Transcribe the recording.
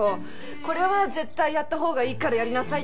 「これは絶対やったほうがいいからやりなさい」って。